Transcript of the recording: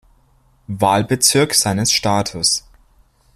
Wahlbezirk seines Staates.